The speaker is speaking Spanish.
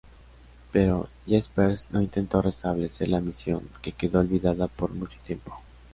Pero Jaspers no intentó restablecer la misión, que quedó olvidada por mucho tiempo.